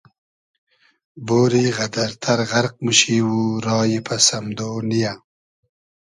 بۉری غئدئر تئر غئرق موشی و رایی پئس امدۉ نییۂ